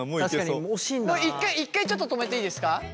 １回１回ちょっと止めていいですか。